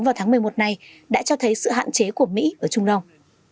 vào tháng một mươi một này đã cho thấy sự hạn chế của mỹ ở trung đông